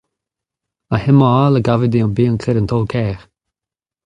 Ha hemañ all a gave dezhañ bezañ graet un taol kaer.